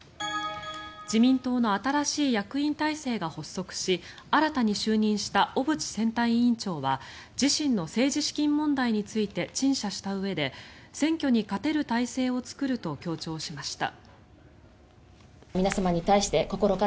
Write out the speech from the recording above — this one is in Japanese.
自民党の新しい役員体制が発足し新たに就任した小渕選対委員長は自身の政治資金問題について陳謝したうえで選挙に勝てる体制を作ると強調しました。